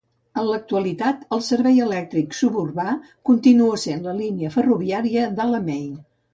En l'actualitat, el servei elèctric suburbà continua sent la línia ferroviària d'Alamein.